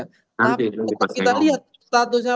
tapi tetap kita lihat statusnya